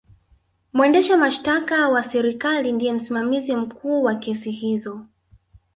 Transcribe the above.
mwendesha mashtaka wa serikali ndiye msimamizi mkuu wa kesi hizo